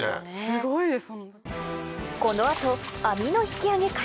すごいです。